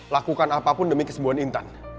lakukan apapun demi kesembuhan intan